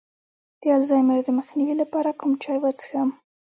د الزایمر د مخنیوي لپاره کوم چای وڅښم؟